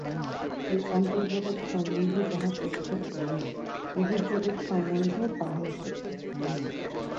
এই অন্তর্জগৎ সম্বন্ধে যাহা সত্য, বহির্জগৎ সম্বন্ধেও তাহাই সত্য।